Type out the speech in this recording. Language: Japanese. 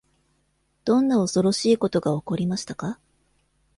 どんな恐ろしいことが起こりましたか？